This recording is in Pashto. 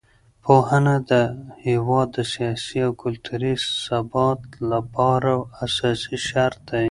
پوهنه د هېواد د سیاسي او کلتوري ثبات لپاره اساسي شرط دی.